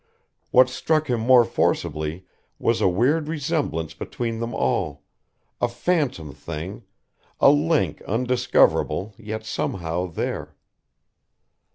What struck him more forcibly was a weird resemblance between them all, a phantom thing, a link undiscoverable yet somehow there.